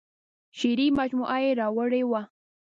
شعري مجموعه یې راوړې وه.